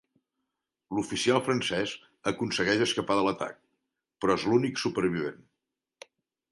L'oficial francès aconsegueix escapar de l'atac, però és l'únic supervivent.